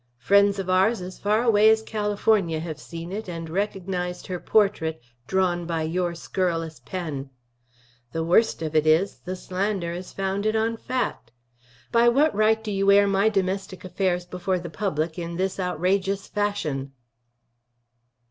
Friends of ours as far away as California have seen it and recognized her portrait, drawn by your scurrilous pen. The worst of it is, the slander is founded on fact. By what right do you air my domestic affairs before the public in this outrageous fashion?"